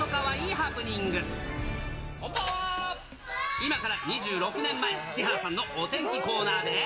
今から２６年前、木原さんのお天気コーナーで。